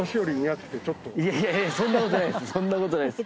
いやいやそんなことないです